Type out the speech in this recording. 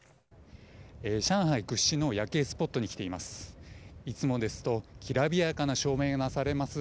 上海屈指の夜景スポットに来ています。